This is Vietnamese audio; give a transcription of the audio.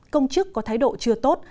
công chức có thái độ chưa tốt